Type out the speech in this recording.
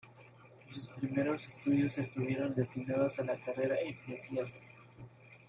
Sus primeros estudios estuvieron destinados a la carrera eclesiástica.